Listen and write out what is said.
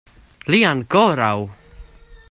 Li ankoraŭ!